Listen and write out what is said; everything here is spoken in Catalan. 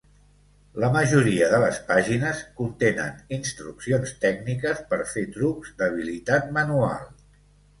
La majoria de les pàgines contenen instruccions tècniques per fer trucs d'habilitat manual.